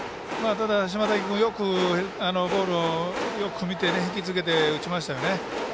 ただ、島瀧君ボールをよく見て引きつけて打ちましたね。